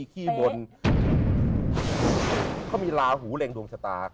เขามีลาหูเล็งดวงฉตา